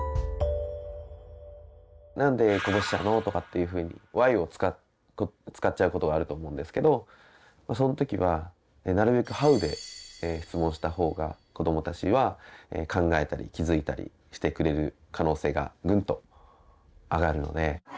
「なんでこぼしちゃうの？」とかっていうふうに「ＷＨＹ」を使っちゃうことがあると思うんですけどそのときはなるべく「ＨＯＷ」で質問した方が子どもたちは考えたり気づいたりしてくれる可能性がグンと上がるので。